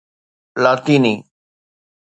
لاطيني